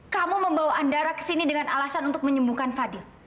kamu membawa andara kesini dengan alasan untuk menyembuhkan fadil